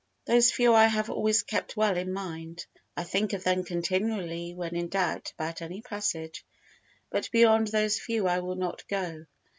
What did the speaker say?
Those few I have always kept well in mind. I think of them continually when in doubt about any passage, but beyond those few I will not go.